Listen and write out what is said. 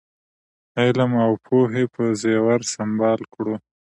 علم او پوهې په زېور سمبال کړو.